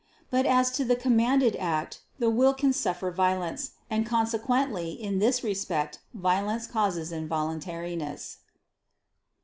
But as to the commanded act, the will can suffer violence: and consequently in this respect violence causes involuntariness.